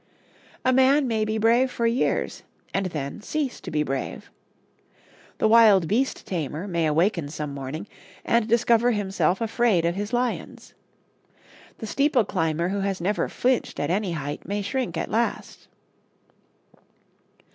A man may be brave for years, and then cease to be brave. The wild beast tamer may awaken some morning and discover himself afraid of his lions. The steeple climber who has never flinched at any height may shrink at last.